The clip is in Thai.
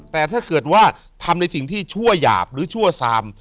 แต่ถ้าเกิดว่าทำในสิ่งที่ชั่วหยาบหรือชั่วซาม